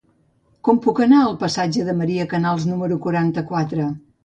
Com puc anar al passatge de Maria Canals número quaranta-quatre?